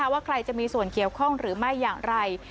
ว่าใครจะมีส่วนเกี่ยวข้องหรือไม่อย่างไร